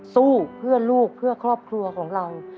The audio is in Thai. สู้เพื่อลูกเพื่อครอบครัวของเรา